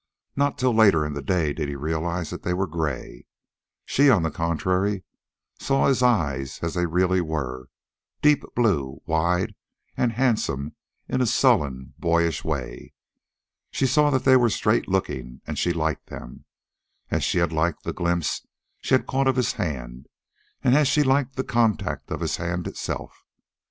Not till later in the day did he realize that they were gray. She, on the contrary, saw his eyes as they really were deep blue, wide, and handsome in a sullen boyish way. She saw that they were straight looking, and she liked them, as she had liked the glimpse she had caught of his hand, and as she liked the contact of his hand itself.